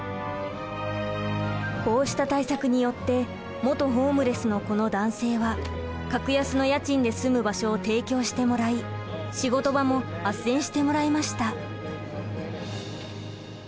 こうした対策によって元ホームレスのこの男性は格安の家賃で住む場所を提供してもらい仕事場もあっせんしてもらいました。